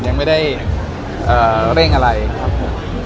ยังไม่ได้เร่งอะไรครับผม